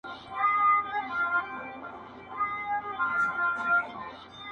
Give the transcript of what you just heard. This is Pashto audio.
ستا د هغې ورځې، د هغې خندا، هغه تاثير_